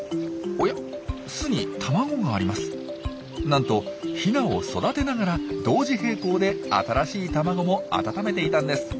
なんとヒナを育てながら同時並行で新しい卵も温めていたんです。